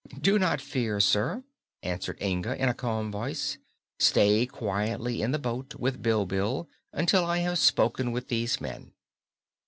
"Do not fear, sir," answered Inga, in a calm voice. "Stay quietly in the boat with Bilbil until I have spoken with these men."